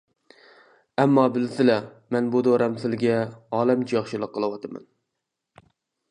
ئەمما بىلسىلە، مەن بۇ دورەم سىلىگە، ئالەمچە ياخشىلىق قىلىۋاتىمەن.